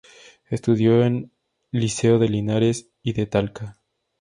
Estudió en el Liceo de Linares y de Talca.